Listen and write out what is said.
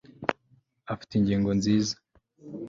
afite ingingo nziza